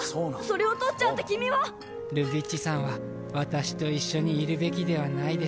それを取っちゃうと君はルビッチさんは私と一緒にいるべきではないです